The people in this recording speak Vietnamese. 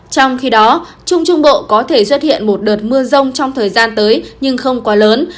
trong khi đó trung trung bộ có thể xuất hiện một đợt mưa rông trong thời gian tới nhưng không quá lớn